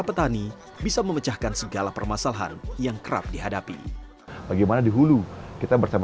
petani bisa memecahkan segala permasalahan yang kerap dihadapi bagaimana di hulu kita bersama